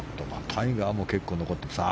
タイガーも結構残っています。